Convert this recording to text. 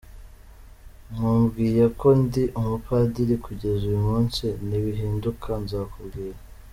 Nkubwiye ko ndi umupadiri kugeza uyu munsi, nibihinduka nzakubwira”.